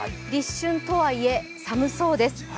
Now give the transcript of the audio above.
立春とはいえ、寒そうです。